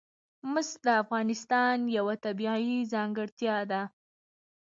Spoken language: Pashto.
مس د افغانستان یوه طبیعي ځانګړتیا ده.